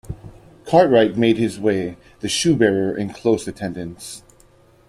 Cartwright made his way, the shoe-bearer in close attendance.